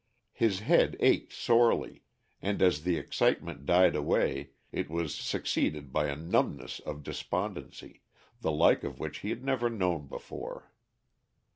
His head ached sorely, and as the excitement died away it was succeeded by a numbness of despondency, the like of which he had never known before.